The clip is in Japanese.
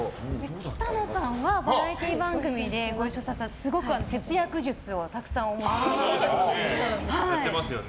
北乃さんはバラエティー番組でご一緒させていただいてすごく節約術をたくさんお持ちということで。